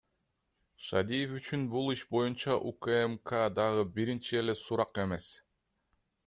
Шадиев үчүн бул иш боюнча УКМКдагы биринчи эле сурак эмес.